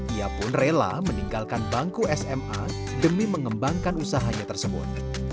ia pun rela meninggalkan bangku sma demi mengembangkan usahanya tersebut